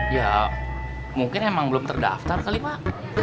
ya mungkin emang belum terdaftar kali pak